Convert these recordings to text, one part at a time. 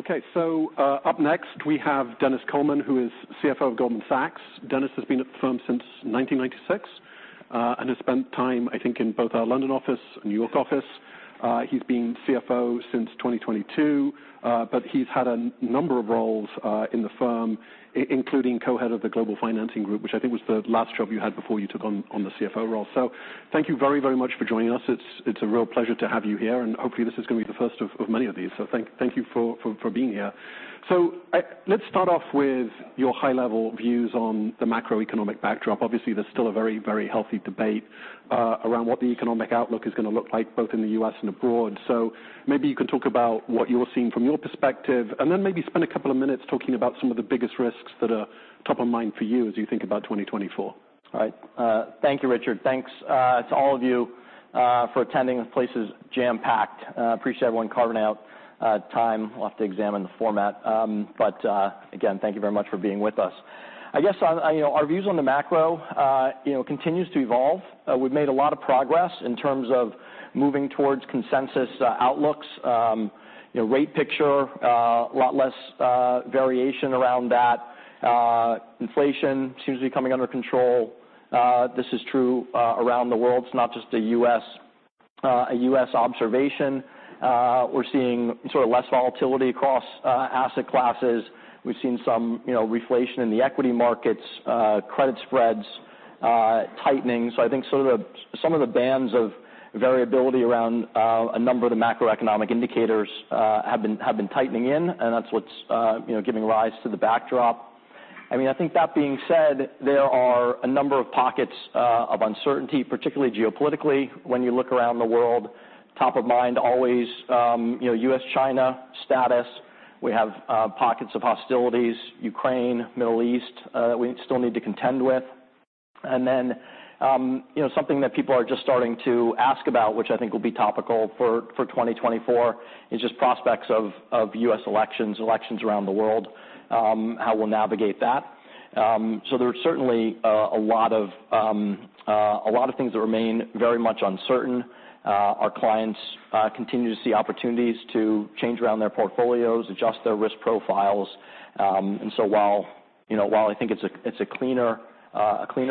Okay, so, up next, we have Denis Coleman, who is CFO of Goldman Sachs. Denis has been at the firm since 1996, and has spent time, I think, in both our London office and New York office. He's been CFO since 2022, but he's had a number of roles, in the firm, including co-head of the Global Financing Group, which I think was the last job you had before you took on, on the CFO role. So thank you very, very much for joining us. It's, it's a real pleasure to have you here, and hopefully, this is gonna be the first of, of many of these. So thank, thank you for, for, for being here. So I-- let's start off with your high-level views on the macroeconomic backdrop. Obviously, there's still a very, very healthy debate around what the economic outlook is gonna look like, both in the U.S. and abroad. So maybe you can talk about what you're seeing from your perspective, and then maybe spend a couple of minutes talking about some of the biggest risks that are top of mind for you as you think about 2024. All right. Thank you, Richard. Thanks to all of you for attending. The place is jam-packed. Appreciate everyone carving out time off to examine the format. But again, thank you very much for being with us. I guess, you know, our views on the macro, you know, continues to evolve. We've made a lot of progress in terms of moving towards consensus outlooks. You know, rate picture, a lot less variation around that. Inflation seems to be coming under control. This is true around the world. It's not just a U.S., a U.S. observation. We're seeing sort of less volatility across asset classes. We've seen some, you know, reflation in the equity markets, credit spreads tightening. So I think some of the, some of the bands of variability around a number of the macroeconomic indicators have been, have been tightening in, and that's what's, you know, giving rise to the backdrop. I mean, I think that being said, there are a number of pockets of uncertainty, particularly geopolitically. When you look around the world, top of mind, always, you know, U.S.-China status. We have pockets of hostilities, Ukraine, Middle East, we still need to contend with. And then, you know, something that people are just starting to ask about, which I think will be topical for 2024, is just prospects of U.S. elections, elections around the world, how we'll navigate that. So there are certainly a lot of things that remain very much uncertain. Our clients continue to see opportunities to change around their portfolios, adjust their risk profiles. And so while, you know, while I think it's a, it's a cleaner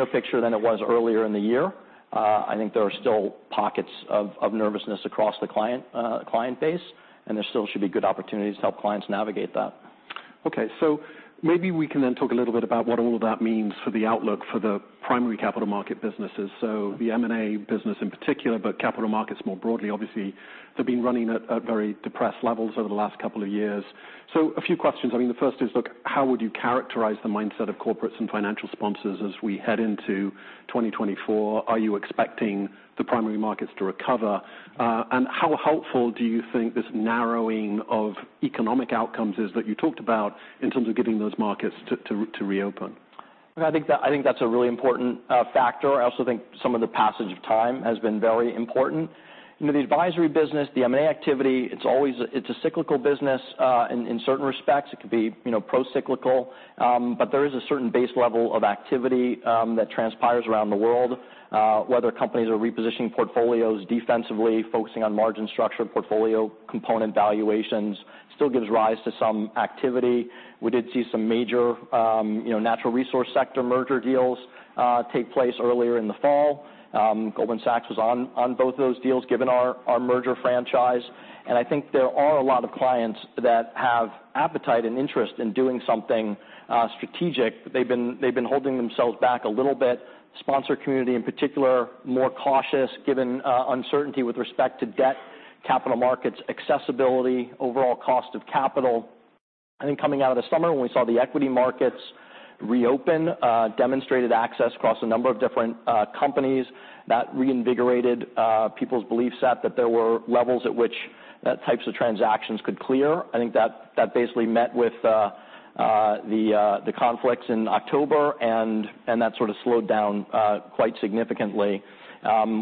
picture than it was earlier in the year, I think there are still pockets of nervousness across the client base, and there still should be good opportunities to help clients navigate that. Okay, so maybe we can then talk a little bit about what all of that means for the outlook for the primary capital market businesses. So the M&A business in particular, but capital markets more broadly. Obviously, they've been running at very depressed levels over the last couple of years. So a few questions. I mean, the first is, look, how would you characterize the mindset of corporates and financial sponsors as we head into 2024? Are you expecting the primary markets to recover? And how helpful do you think this narrowing of economic outcomes is that you talked about in terms of getting those markets to reopen? I think that, I think that's a really important factor. I also think some of the passage of time has been very important. You know, the advisory business, the M&A activity, it's always... It's a cyclical business. In certain respects, it could be, you know, procyclical, but there is a certain base level of activity that transpires around the world, whether companies are repositioning portfolios defensively, focusing on margin structure, portfolio component valuations, still gives rise to some activity. We did see some major, you know, natural resource sector merger deals take place earlier in the fall. Goldman Sachs was on both of those deals, given our merger franchise, and I think there are a lot of clients that have appetite and interest in doing something strategic. They've been holding themselves back a little bit. Sponsor community, in particular, more cautious, given uncertainty with respect to debt capital markets accessibility, overall cost of capital. I think coming out of the summer, when we saw the equity markets reopen demonstrated access across a number of different companies, that reinvigorated people's belief set, that there were levels at which that types of transactions could clear. I think that basically met with the conflicts in October, and that sort of slowed down quite significantly.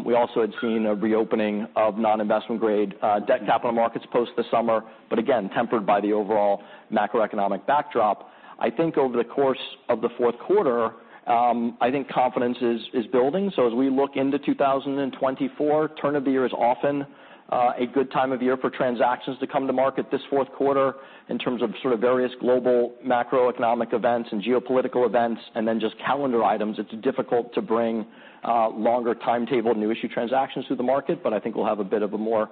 We also had seen a reopening of non-investment grade debt capital markets post this summer, but again, tempered by the overall macroeconomic backdrop. I think over the course of the fourth quarter, I think confidence is building. As we look into 2024, turn of the year is often a good time of year for transactions to come to market this fourth quarter in terms of sort of various global macroeconomic events and geopolitical events, and then just calendar items. It's difficult to bring longer timetable, new issue transactions to the market, but I think we'll have a bit of a more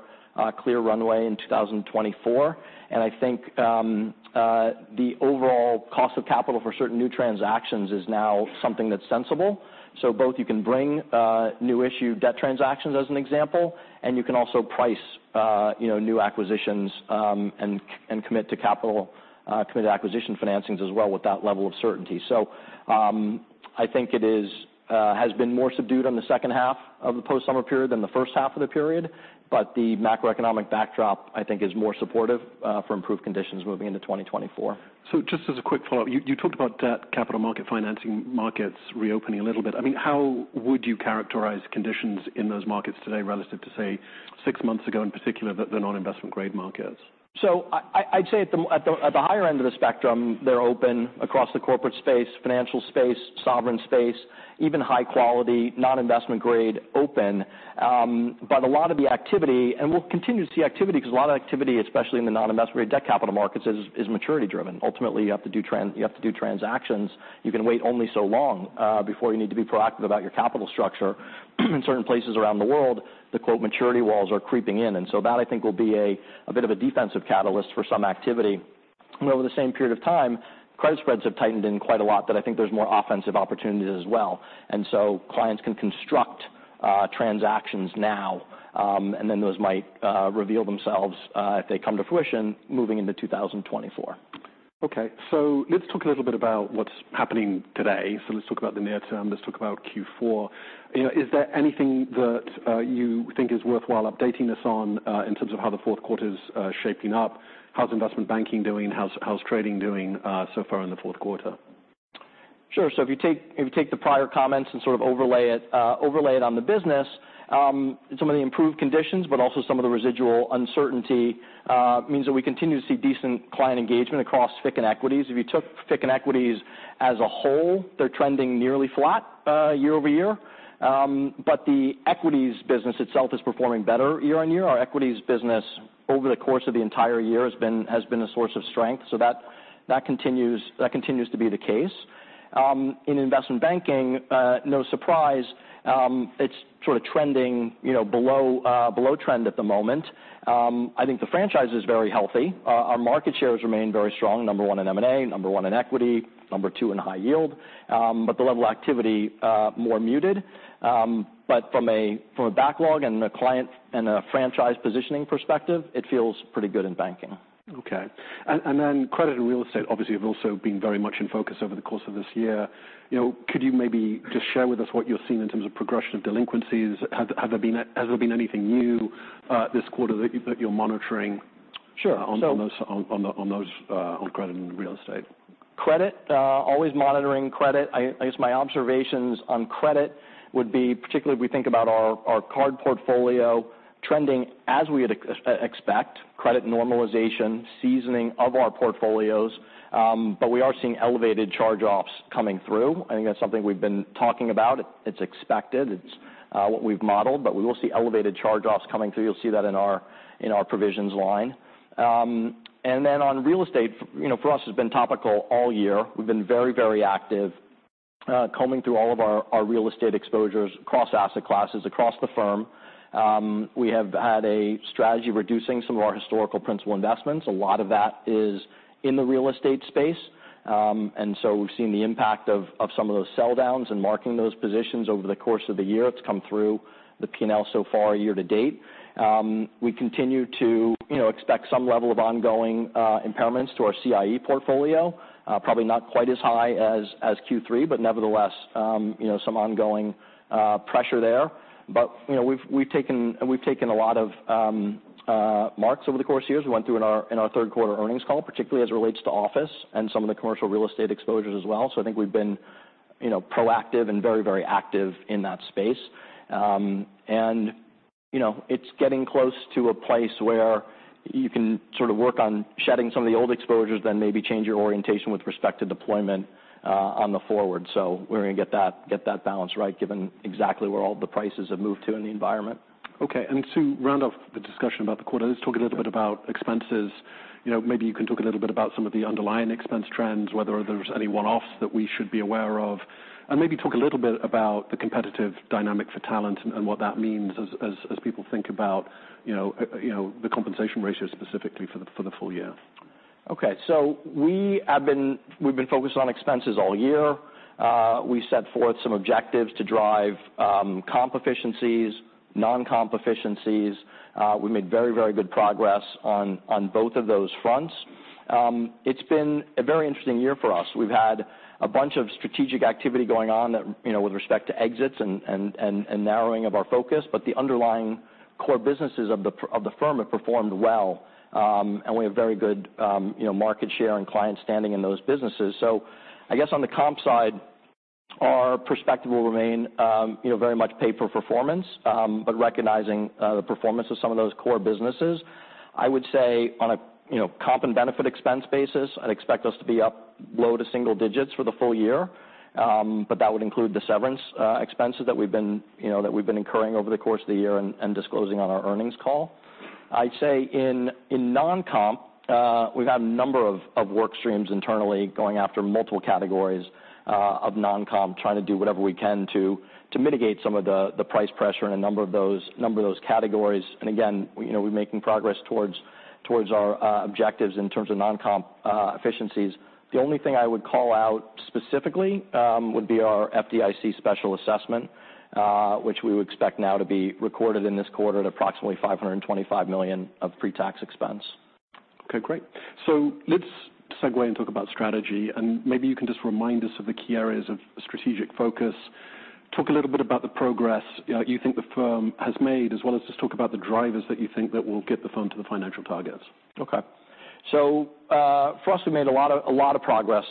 clear runway in 2024. And I think the overall cost of capital for certain new transactions is now something that's sensible. So both, you can bring new issue debt transactions as an example, and you can also price you know, new acquisitions, and commit to capital, commit acquisition financings as well with that level of certainty. So, I think has been more subdued on the second half of the post-summer period than the first half of the period, but the macroeconomic backdrop, I think, is more supportive for improved conditions moving into 2024. So, just as a quick follow-up, you talked about debt capital market financing markets reopening a little bit. I mean, how would you characterize conditions in those markets today relative to, say, six months ago, in particular, the non-investment grade markets? So I'd say at the higher end of the spectrum, they're open across the corporate space, financial space, sovereign space, even high quality, non-investment grade, open. But a lot of the activity, and we'll continue to see activity, because a lot of activity, especially in the non-investment grade debt capital markets, is maturity-driven. Ultimately, you have to do transactions. You can wait only so long before you need to be proactive about your capital structure. In certain places around the world, the quote, maturity walls are creeping in, and so that, I think, will be a bit of a defensive catalyst for some activity. And over the same period of time, credit spreads have tightened in quite a lot, that I think there's more offensive opportunities as well. And so clients can construct transactions now, and then those might reveal themselves if they come to fruition moving into 2024. Okay. So let's talk a little bit about what's happening today. So let's talk about the near term. Let's talk about Q4. You know, is there anything that you think is worthwhile updating us on, in terms of how the fourth quarter's shaping up? How's investment banking doing, and how's trading doing, so far in the fourth quarter? Sure. So if you take, if you take the prior comments and sort of overlay it, overlay it on the business, some of the improved conditions, but also some of the residual uncertainty, means that we continue to see decent client engagement across FICC and Equities. If you took FICC and Equities as a whole, they're trending nearly flat, year-over-year. But the equities business itself is performing better year-on-year. Our equities business over the course of the entire year has been, has been a source of strength, so that, that continues, that continues to be the case. In investment banking, no surprise, it's sort of trending, you know, below, below trend at the moment. I think the franchise is very healthy. Our, our market share has remained very strong. Number one in M&A, number one in equity, number two in high yield, but the level of activity more muted. But from a backlog and a client and a franchise positioning perspective, it feels pretty good in banking. Okay. And then credit and real estate obviously have also been very much in focus over the course of this year. You know, could you maybe just share with us what you're seeing in terms of progression of delinquencies? Has there been anything new this quarter that you're monitoring- Sure. on those on credit and real estate? Credit, always monitoring credit. I guess my observations on credit would be, particularly if we think about our card portfolio trending as we'd expect, credit normalization, seasoning of our portfolios. But we are seeing elevated charge-offs coming through. I think that's something we've been talking about. It's expected, it's what we've modeled, but we will see elevated charge-offs coming through. You'll see that in our provisions line. And then on real estate, you know, for us, it's been topical all year. We've been very, very active, combing through all of our real estate exposures across asset classes, across the firm. We have had a strategy reducing some of our historical principal investments. A lot of that is in the real estate space. And so we've seen the impact of some of those sell-downs and marking those positions over the course of the year. It's come through the P&L so far, year to date. We continue to, you know, expect some level of ongoing impairments to our CIE portfolio. Probably not quite as high as Q3, but nevertheless, you know, some ongoing pressure there. But, you know, we've taken a lot of marks over the course of years. We went through in our third quarter earnings call, particularly as it relates to office and some of the commercial real estate exposures as well. So I think we've been, you know, proactive and very, very active in that space. You know, it's getting close to a place where you can sort of work on shedding some of the old exposures, then maybe change your orientation with respect to deployment on the forward. So we're gonna get that, get that balance right, given exactly where all the prices have moved to in the environment. Okay. And to round off the discussion about the quarter, let's talk a little bit about expenses. You know, maybe you can talk a little bit about some of the underlying expense trends, whether there's any one-offs that we should be aware of. And maybe talk a little bit about the competitive dynamic for talent and what that means as people think about, you know, you know, the compensation ratios specifically for the full year. Okay. So we've been focused on expenses all year. We set forth some objectives to drive comp efficiencies, non-comp efficiencies. We made very, very good progress on both of those fronts. It's been a very interesting year for us. We've had a bunch of strategic activity going on that, you know, with respect to exits and narrowing of our focus. But the underlying core businesses of the firm have performed well. And we have very good market share and client standing in those businesses. So I guess on the comp side, our perspective will remain very much pay for performance, but recognizing the performance of some of those core businesses. I would say on a, you know, comp and benefit expense basis, I'd expect us to be up low to single digits for the full year. But that would include the severance, expenses that we've been, you know, that we've been incurring over the course of the year and, and disclosing on our earnings call. I'd say in non-comp, we've had a number of work streams internally going after multiple categories of non-comp, trying to do whatever we can to mitigate some of the price pressure in a number of those categories. And again, you know, we're making progress towards our objectives in terms of non-comp efficiencies. The only thing I would call out specifically, would be our FDIC special assessment, which we would expect now to be recorded in this quarter at approximately $525 million of pre-tax expense. Okay, great. So let's segue and talk about strategy, and maybe you can just remind us of the key areas of strategic focus. Talk a little bit about the progress you think the firm has made, as well as just talk about the drivers that you think that will get the firm to the financial targets. Okay. So, for us, we made a lot of, a lot of progress,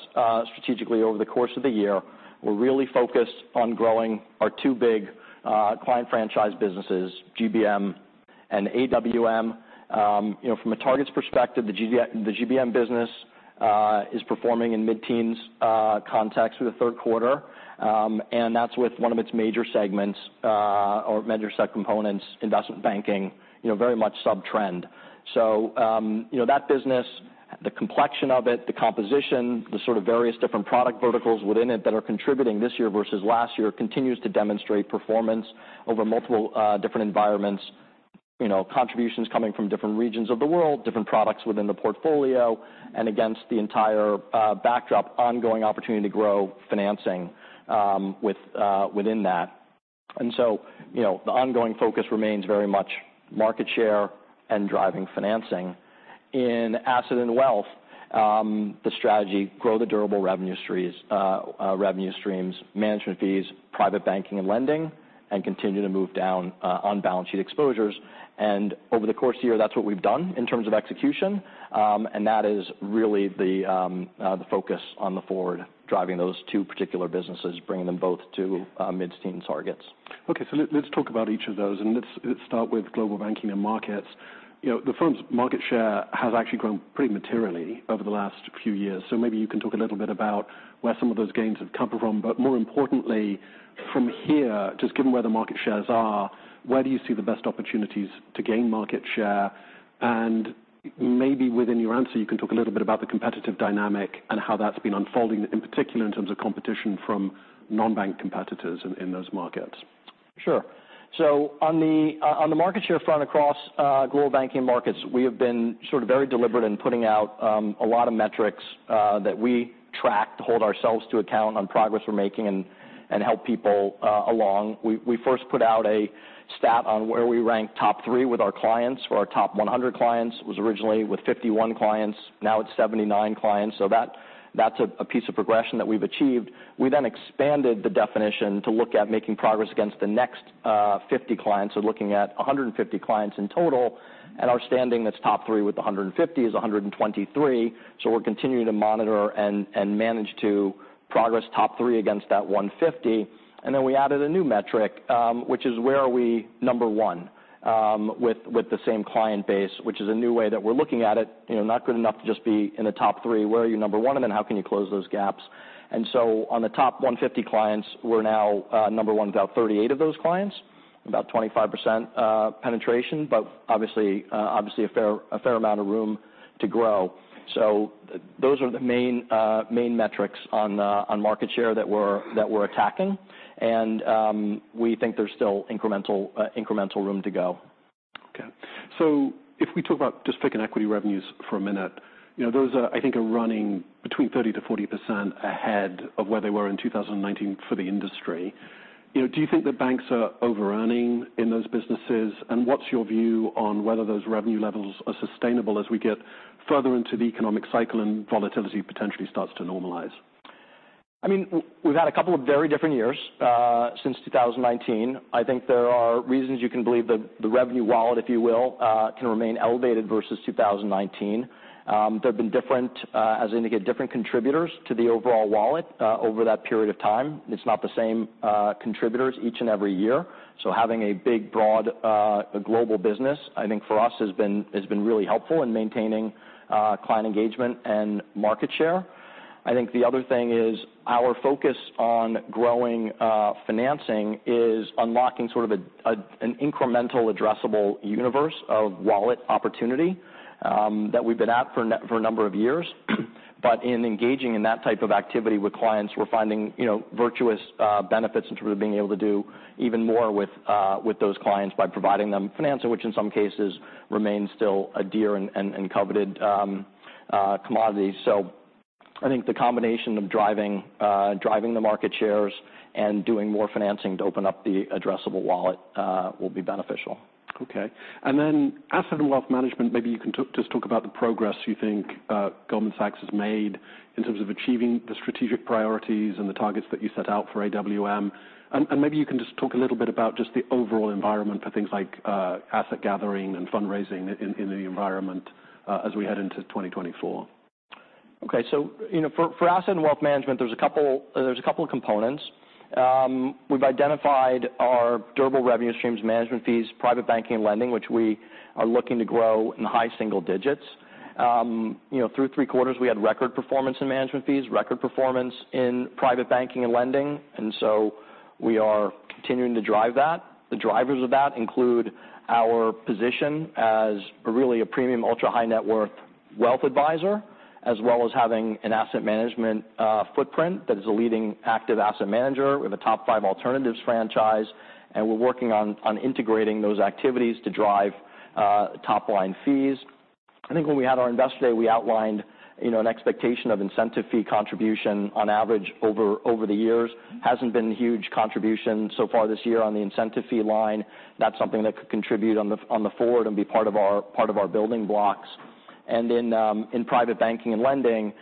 strategically over the course of the year. We're really focused on growing our two big, client franchise businesses, GBM and AWM. You know, from a targets perspective, the GBM business is performing in mid-teens context for the third quarter. And that's with one of its major segments or major subcomponents, investment banking, you know, very much subtrend. So, you know, that business, the complexion of it, the composition, the sort of various different product verticals within it that are contributing this year versus last year, continues to demonstrate performance over multiple different environments... you know, contributions coming from different regions of the world, different products within the portfolio, and against the entire backdrop, ongoing opportunity to grow financing within that. You know, the ongoing focus remains very much market share and driving financing. In Asset and Wealth, the strategy, grow the durable revenue streams, management fees, private banking and lending, and continue to move down on balance sheet exposures. Over the course of the year, that's what we've done in terms of execution. And that is really the focus going forward, driving those two particular businesses, bringing them both to mid-teen targets. Okay, so let's talk about each of those, and let's start with Global Banking & Markets. You know, the firm's market share has actually grown pretty materially over the last few years. So maybe you can talk a little bit about where some of those gains have come from, but more importantly, from here, just given where the market shares are, where do you see the best opportunities to gain market share? And maybe within your answer, you can talk a little bit about the competitive dynamic and how that's been unfolding, in particular, in terms of competition from non-bank competitors in those markets. Sure. So on the market share front, across global banking markets, we have been sort of very deliberate in putting out a lot of metrics that we track to hold ourselves to account on progress we're making and help people along. We first put out a stat on where we rank top three with our clients, for our top 100 clients. It was originally with 51 clients, now it's 79 clients, so that's a piece of progression that we've achieved. We then expanded the definition to look at making progress against the next 50 clients. So looking at 150 clients in total, and our standing that's top three with 150 is 123. So we're continuing to monitor and manage to progress top three against that 150. And then we added a new metric, which is, where are we number one, with, with the same client base, which is a new way that we're looking at it. You know, not good enough to just be in the top three. Where are you number one, and then how can you close those gaps? And so on the top 150 clients, we're now number one with about 38 of those clients, about 25% penetration, but obviously a fair amount of room to grow. So those are the main metrics on the market share that we're attacking, and we think there's still incremental room to go. Okay. So if we talk about just picking equity revenues for a minute, you know, those, I think, are running between 30%-40% ahead of where they were in 2019 for the industry. You know, do you think the banks are overearning in those businesses? And what's your view on whether those revenue levels are sustainable as we get further into the economic cycle and volatility potentially starts to normalize? I mean, we've had a couple of very different years since 2019. I think there are reasons you can believe that the revenue wallet, if you will, can remain elevated versus 2019. There have been different, as I indicate, different contributors to the overall wallet over that period of time. It's not the same contributors each and every year. So having a big, broad global business, I think for us, has been really helpful in maintaining client engagement and market share. I think the other thing is our focus on growing financing is unlocking sort of an incremental addressable universe of wallet opportunity that we've been at for a number of years. But in engaging in that type of activity with clients, we're finding, you know, virtuous benefits in terms of being able to do even more with those clients by providing them financing, which in some cases remains still a dear and coveted commodity. So I think the combination of driving the market shares and doing more financing to open up the addressable wallet will be beneficial. Okay. And then Asset & Wealth Management, maybe you can talk... Just talk about the progress you think, Goldman Sachs has made in terms of achieving the strategic priorities and the targets that you set out for AWM. And, and maybe you can just talk a little bit about just the overall environment for things like, asset gathering and fundraising in, in the environment, as we head into 2024. Okay. So, you know, for Asset & Wealth Management, there's a couple of components. We've identified our durable revenue streams, management fees, private banking and lending, which we are looking to grow in high single digits. You know, through three quarters, we had record performance in management fees, record performance in private banking and lending, and so we are continuing to drive that. The drivers of that include our position as really a premium ultra-high net worth wealth advisor, as well as having an asset management footprint that is a leading active asset manager. We have a top five alternatives franchise, and we're working on integrating those activities to drive top-line fees. I think when we had our Investor Day, we outlined, you know, an expectation of incentive fee contribution on average over the years. Hasn't been huge contribution so far this year on the incentive fee line. That's something that could contribute on the forward and be part of our building blocks. And then in private banking and lending,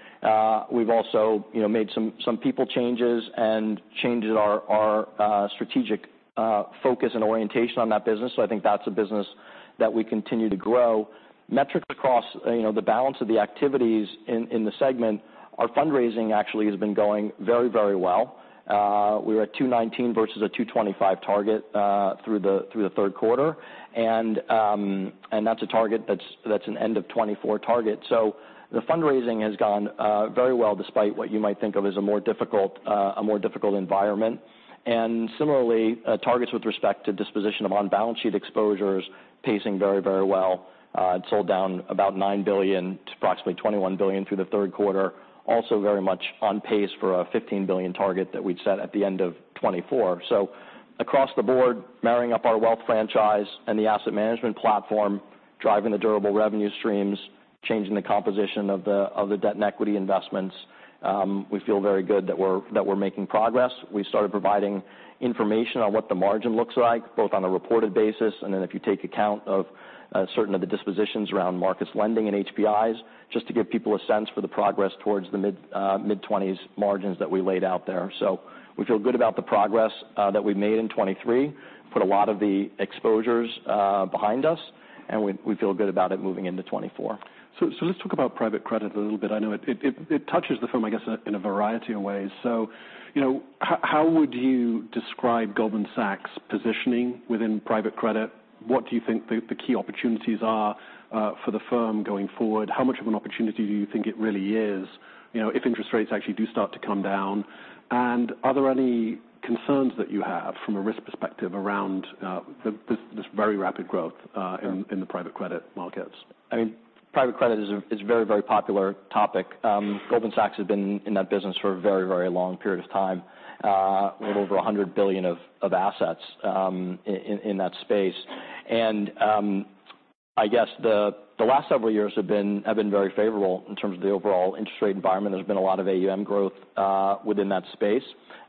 we've also, you know, made some people changes and changed our strategic focus and orientation on that business. So I think that's a business that we continue to grow. Metrics across, you know, the balance of the activities in the segment. Our fundraising actually has been going very, very well. We were at 219 versus a 225 target through the third quarter. And that's a target that's an end of 2024 target. So the fundraising has gone very well, despite what you might think of as a more difficult, a more difficult environment. And similarly, targets with respect to disposition of on-balance sheet exposures, pacing very, very well. It sold down about $9 billion to approximately $21 billion through the third quarter. Also, very much on pace for a $15 billion target that we'd set at the end of 2024. So across the board, marrying up our wealth franchise and the asset management platform, driving the durable revenue streams, changing the composition of the debt and equity investments, we feel very good that we're, that we're making progress. We started providing information on what the margin looks like, both on a reported basis, and then if you take account of certain of the dispositions around Marcus lending and HPIs, just to give people a sense for the progress towards the mid-20s margins that we laid out there. So we feel good about the progress that we've made in 2023. Put a lot of the exposures behind us, and we feel good about it moving into 2024. So let's talk about private credit a little bit. I know it touches the firm, I guess, in a variety of ways. So, you know, how would you describe Goldman Sachs' positioning within private credit? What do you think the key opportunities are for the firm going forward? How much of an opportunity do you think it really is, you know, if interest rates actually do start to come down? And are there any concerns that you have, from a risk perspective, around this very rapid growth in the private credit markets? I mean, private credit is a very, very popular topic. Goldman Sachs has been in that business for a very, very long period of time, with over $100 billion of assets in that space. I guess the last several years have been very favorable in terms of the overall interest rate environment. There's been a lot of AUM growth within that space.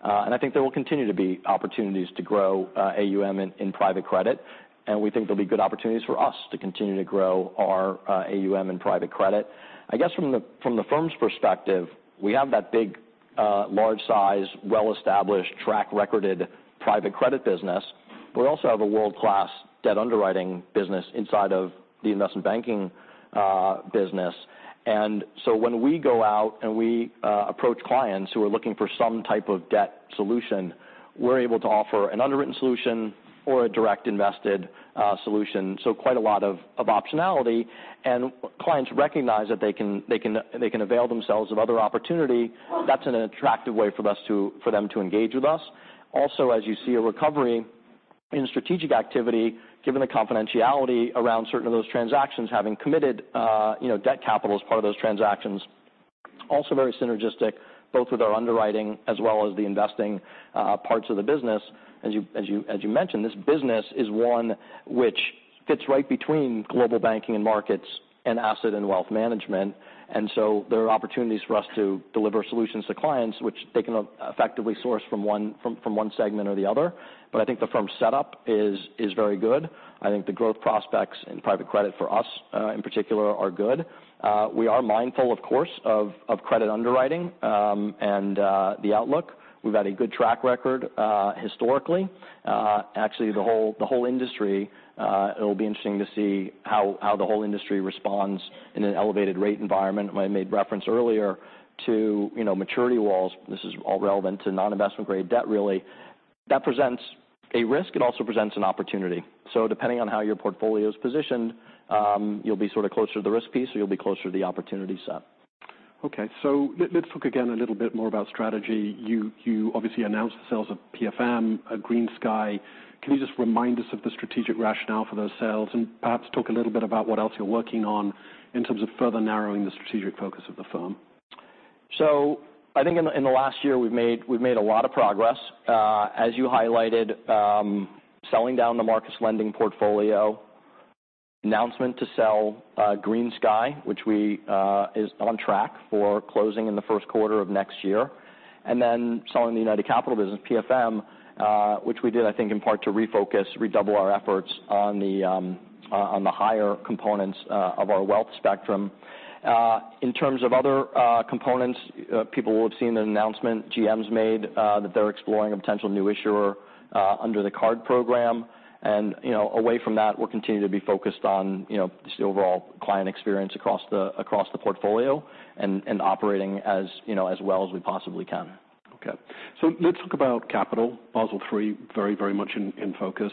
And I think there will continue to be opportunities to grow AUM in private credit, and we think there'll be good opportunities for us to continue to grow our AUM in private credit. I guess from the firm's perspective, we have that big, large size, well-established, track record private credit business. We also have a world-class debt underwriting business inside of the investment banking business. And so when we go out and we approach clients who are looking for some type of debt solution, we're able to offer an underwritten solution or a direct invested solution. So quite a lot of optionality, and clients recognize that they can avail themselves of other opportunity. That's an attractive way for us to—for them to engage with us. Also, as you see a recovery in strategic activity, given the confidentiality around certain of those transactions, having committed you know debt capital as part of those transactions, also very synergistic, both with our underwriting as well as the investing parts of the business. As you mentioned, this business is one which fits right between Global Banking & Markets and Asset & Wealth Management. There are opportunities for us to deliver solutions to clients, which they can effectively source from one segment or the other. But I think the firm's setup is very good. I think the growth prospects in private credit for us, in particular, are good. We are mindful, of course, of credit underwriting, and the outlook. We've had a good track record, historically. Actually, the whole industry, it'll be interesting to see how the whole industry responds in an elevated rate environment. I made reference earlier to, you know, maturity walls. This is all relevant to non-investment-grade debt, really. That presents a risk, it also presents an opportunity. So depending on how your portfolio is positioned, you'll be sort of closer to the risk piece, or you'll be closer to the opportunity set. Okay, so let's talk again a little bit more about strategy. You obviously announced the sales of PFM, GreenSky. Can you just remind us of the strategic rationale for those sales, and perhaps talk a little bit about what else you're working on in terms of further narrowing the strategic focus of the firm? So I think in the last year, we've made a lot of progress. As you highlighted, selling down the Marcus lending portfolio, announcement to sell GreenSky, which is on track for closing in the first quarter of next year, and then selling the United Capital business, PFM, which we did, I think, in part to refocus, redouble our efforts on the higher components of our wealth spectrum. In terms of other components, people will have seen an announcement GM's made that they're exploring a potential new issuer under the card program. You know, away from that, we'll continue to be focused on, you know, just the overall client experience across the portfolio and operating as, you know, as well as we possibly can. Okay, so let's talk about capital. Basel III, very, very much in focus.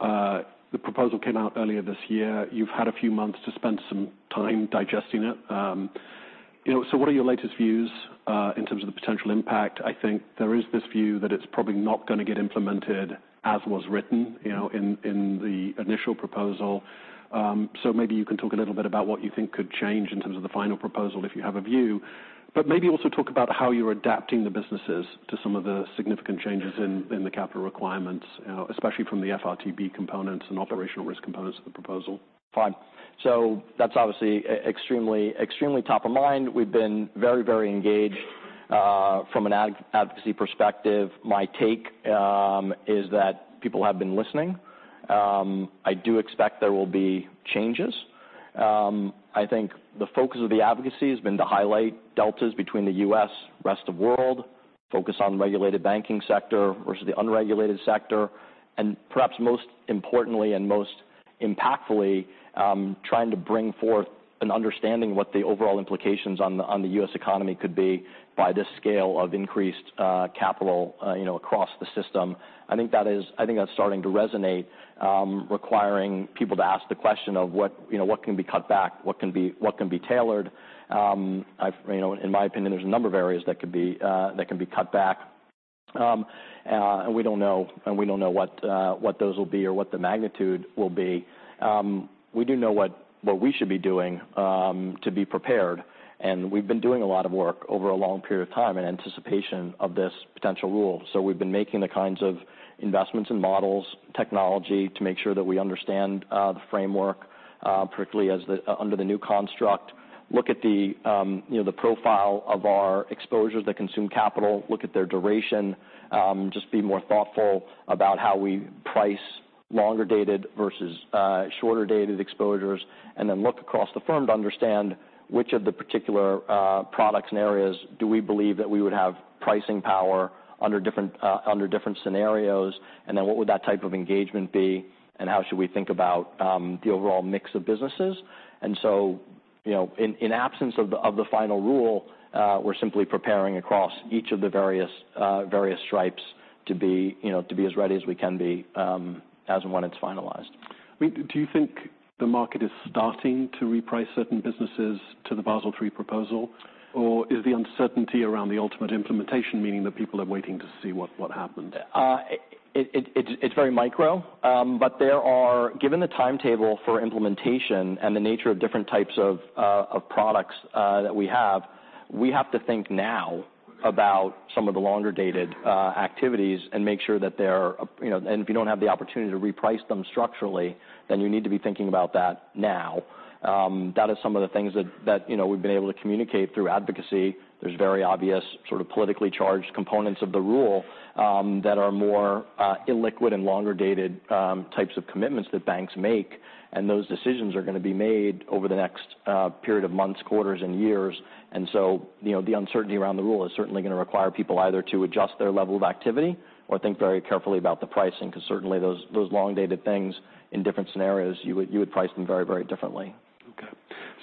The proposal came out earlier this year. You've had a few months to spend some time digesting it. You know, so what are your latest views in terms of the potential impact? I think there is this view that it's probably not gonna get implemented as was written, you know, in the initial proposal. So maybe you can talk a little bit about what you think could change in terms of the final proposal, if you have a view. But maybe also talk about how you're adapting the businesses to some of the significant changes in the capital requirements, especially from the FRTB components and operational risk components of the proposal. Fine. So that's obviously extremely, extremely top of mind. We've been very, very engaged, from an advocacy perspective. My take is that people have been listening. I do expect there will be changes. I think the focus of the advocacy has been to highlight deltas between the U.S., rest of world, focus on regulated banking sector versus the unregulated sector, and perhaps most importantly and most impactfully, trying to bring forth an understanding what the overall implications on the, on the U.S. economy could be by this scale of increased, capital, you know, across the system. I think that is... I think that's starting to resonate, requiring people to ask the question of what, you know, what can be cut back? What can be, what can be tailored? I've, you know, in my opinion, there's a number of areas that could be, that can be cut back. And we don't know what those will be or what the magnitude will be. We do know what we should be doing to be prepared, and we've been doing a lot of work over a long period of time in anticipation of this potential rule. So we've been making the kinds of investments in models, technology, to make sure that we understand the framework, particularly under the new construct. Look at the, you know, the profile of our exposures that consume capital, look at their duration, just be more thoughtful about how we price longer-dated versus shorter-dated exposures, and then look across the firm to understand which of the particular products and areas do we believe that we would have pricing power under different under different scenarios, and then what would that type of engagement be, and how should we think about the overall mix of businesses? And so, you know, in, in absence of the, of the final rule, we're simply preparing across each of the various various stripes to be, you know, to be as ready as we can be, as when it's finalized. Do you think the market is starting to reprice certain businesses to the Basel III proposal, or is the uncertainty around the ultimate implementation meaning that people are waiting to see what happens? It's very micro, but there are... Given the timetable for implementation and the nature of different types of products that we have, we have to think now about some of the longer-dated activities and make sure that they're, you know, and if you don't have the opportunity to reprice them structurally, then you need to be thinking about that now. That is some of the things that, you know, we've been able to communicate through advocacy. There's very obvious, sort of politically charged components of the rule that are more illiquid and longer-dated types of commitments that banks make, and those decisions are gonna be made over the next period of months, quarters, and years. And so, you know, the uncertainty around the rule is certainly gonna require people either to adjust their level of activity or think very carefully about the pricing, because certainly those, those long-dated things in different scenarios, you would, you would price them very, very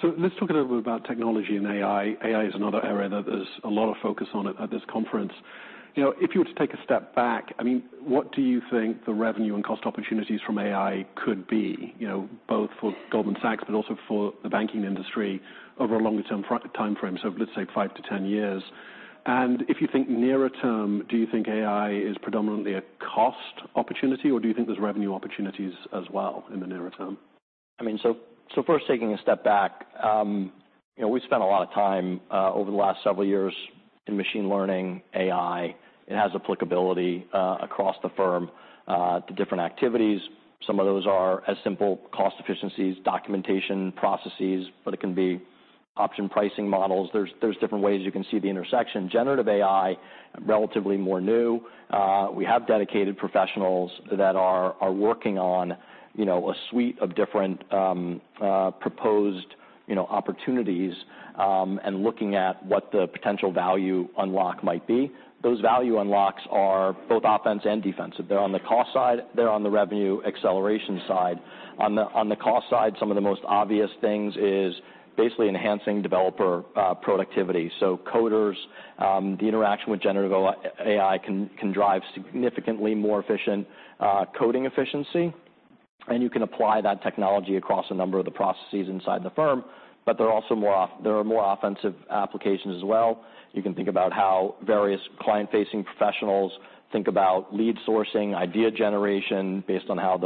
differently. Okay. So let's talk a little bit about technology and AI. AI is another area that there's a lot of focus on it at this conference. You know, if you were to take a step back, I mean, what do you think the revenue and cost opportunities from AI could be, you know, both for Goldman Sachs but also for the banking industry over a longer-term time frame, so let's say five to 10 years? And if you think nearer term, do you think AI is predominantly a cost opportunity, or do you think there's revenue opportunities as well in the nearer term? I mean, so, so first, taking a step back, you know, we've spent a lot of time over the last several years in machine learning, AI. It has applicability across the firm to different activities. Some of those are as simple cost efficiencies, documentation, processes, but it can be option pricing models. There's, there's different ways you can see the intersection. Generative AI, relatively more new. We have dedicated professionals that are, are working on, you know, a suite of different proposed, you know, opportunities, and looking at what the potential value unlock might be. Those value unlocks are both offense and defensive. They're on the cost side, they're on the revenue acceleration side. On the, on the cost side, some of the most obvious things is basically enhancing developer productivity. So, coders, the interaction with generative AI can drive significantly more efficient coding efficiency, and you can apply that technology across a number of the processes inside the firm, but there are also more offensive applications as well. You can think about how various client-facing professionals think about lead sourcing, idea generation, based on how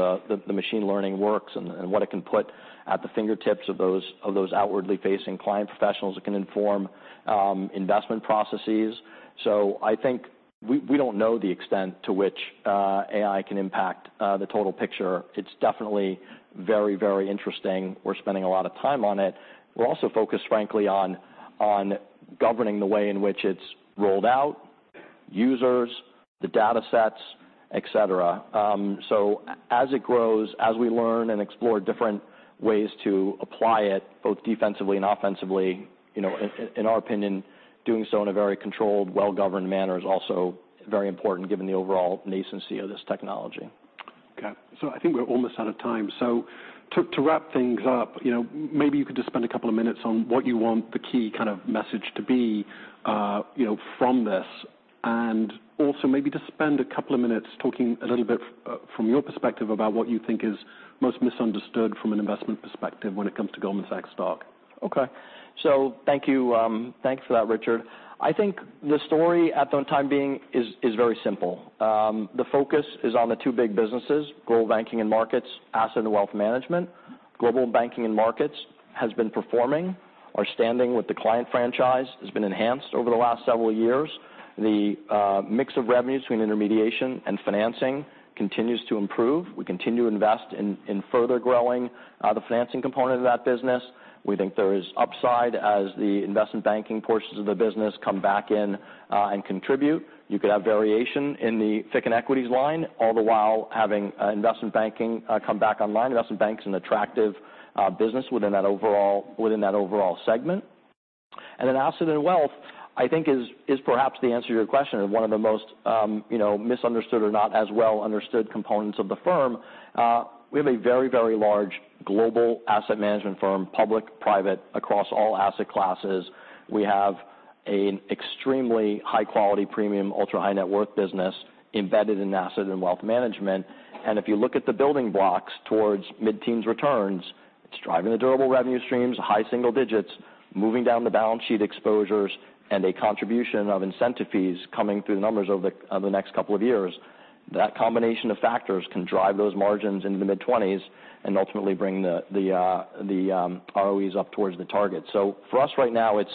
the machine learning works and what it can put at the fingertips of those outwardly facing client professionals. It can inform investment processes. So I think we don't know the extent to which AI can impact the total picture. It's definitely very, very interesting. We're spending a lot of time on it. We're also focused, frankly, on governing the way in which it's rolled out, users, the data sets, et cetera. So as it grows, as we learn and explore different ways to apply it, both defensively and offensively, you know, in our opinion, doing so in a very controlled, well-governed manner is also very important, given the overall nascency of this technology. Okay, so I think we're almost out of time. So to wrap things up, you know, maybe you could just spend a couple of minutes on what you want the key kind of message to be, you know, from this, and also maybe just spend a couple of minutes talking a little bit from your perspective about what you think is most misunderstood from an investment perspective when it comes to Goldman Sachs stock. Okay. So thank you, thanks for that, Richard. I think the story at the time being is very simple. The focus is on the two big businesses, Global Banking & Markets, Asset & Wealth Management. Global Banking & Markets has been performing. Our standing with the client franchise has been enhanced over the last several years. The mix of revenues between intermediation and financing continues to improve. We continue to invest in further growing the financing component of that business. We think there is upside as the investment banking portions of the business come back in and contribute. You could have variation in the FICC and Equities line, all the while having investment banking come back online. Investment banking is an attractive business within that overall, within that overall segment. Then Asset and Wealth, I think, is perhaps the answer to your question and one of the most, you know, misunderstood or not as well-understood components of the firm. We have a very, very large global asset management firm, public, private, across all asset classes. We have an extremely high-quality, premium, ultra-high net worth business embedded in Asset & Wealth Management. If you look at the building blocks towards mid-teens returns, it's driving the durable revenue streams, high single digits, moving down the balance sheet exposures, and a contribution of incentive fees coming through the numbers over the next couple of years. That combination of factors can drive those margins into the mid-twenties and ultimately bring the ROEs up towards the target. For us right now, it's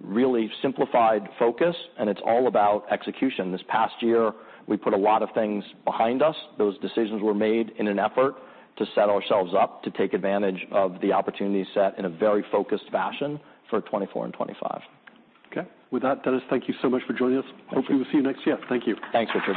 really simplified focus, and it's all about execution. This past year, we put a lot of things behind us. Those decisions were made in an effort to set ourselves up to take advantage of the opportunity set in a very focused fashion for 2024 and 2025. Okay. With that, Denis, thank you so much for joining us. Thank you. Hopefully we'll see you next year. Thank you. Thanks, Richard.